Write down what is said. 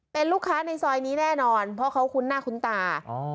เป็นลูกค้าในซอยนี้แน่นอนเพราะเขาคุ้นหน้าคุ้นตา